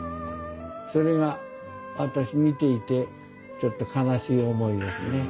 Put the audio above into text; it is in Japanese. それが私見ていてちょっと悲しい思いですね。